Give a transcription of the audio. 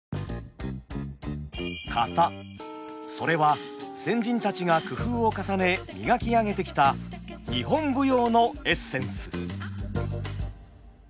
それは先人たちが工夫を重ね磨き上げてきた日本舞踊のエッセンス。